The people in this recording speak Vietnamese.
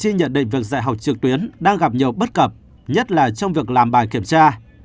khi nhận định việc dạy học trực tuyến đang gặp nhiều bất cập nhất là trong việc làm bài kiểm tra